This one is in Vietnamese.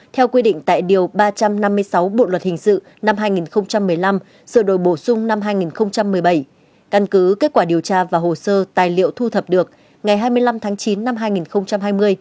theo quy định tại điều ba trăm năm mươi sáu bộ luật hình sự năm hai nghìn một mươi năm sửa đổi bổ sung năm hai nghìn một mươi bảy căn cứ kết quả điều tra và hồ sơ tài liệu thu thập được ngày hai mươi năm tháng chín năm hai nghìn hai mươi